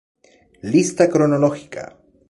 Lista cronológica